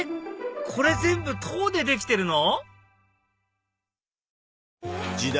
これ全部籐でできてるの？